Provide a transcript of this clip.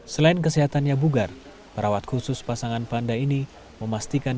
selain kesehatannya bugar perawat khusus pasangan panda ini memastikan